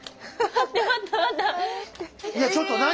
いやちょっと何？